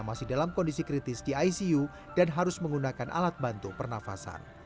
masih dalam kondisi kritis di icu dan harus menggunakan alat bantu pernafasan